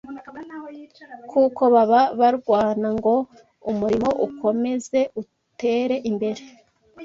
kuko baba barwana ngo umurimo ukomeze utere imbere